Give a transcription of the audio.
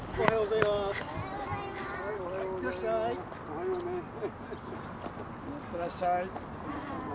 いってらっしゃい。